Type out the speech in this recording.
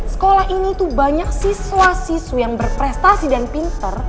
sekolah ini tuh banyak siswa siswa yang berprestasi dan pinter